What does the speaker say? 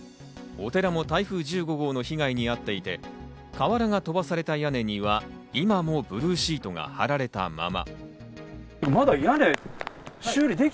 お寺も台風１５号の被害に遭っていて、瓦が飛ばされた屋根には今もブルーシートが張られたまま。